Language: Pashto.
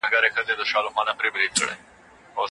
رحیم په پاڼه باندې سترګې وربرګې کړې.